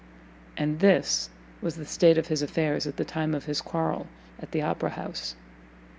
And this was the state of his affairs at the time of his quarrel at the Opera house.